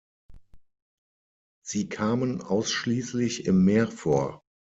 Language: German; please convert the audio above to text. Sie kamen ausschließlich im Meer vor.